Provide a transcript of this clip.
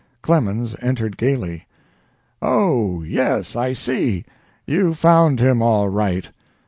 Clemens entered gaily. "Oh, yes, I see! You found him all right.